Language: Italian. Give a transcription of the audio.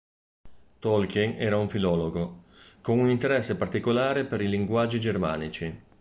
Tolkien era un filologo, con un interesse particolare per i linguaggi germanici.